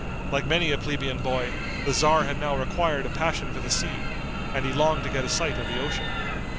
Like many a plebeian boy, the tzar had now acquired a passion for the sea, and he longed to get a sight of the ocean.